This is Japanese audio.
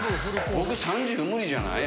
僕３０無理じゃない？